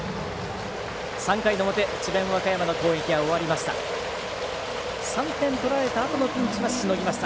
３回の表、智弁和歌山の攻撃が終わりました。